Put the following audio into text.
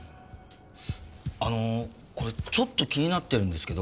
あのこれちょっと気になってるんですけど。